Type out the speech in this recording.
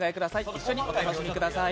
一緒にお楽しみください。